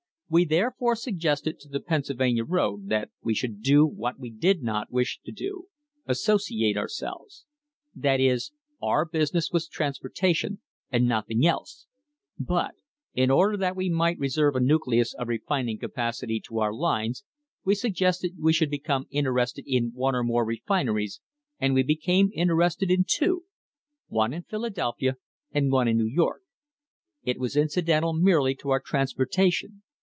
We therefore suggested to the Penn sylvania road that we should do what we did not wish to do — associate ourselves. That is, our business was trans portation and nothing else; but, in order that we might reserve a nucleus of refining capacity to our lines, we suggested we should become interested in one or more refineries, and we became interested in two, one in Philadelphia and one in New York. It was incidental merely to our transportation.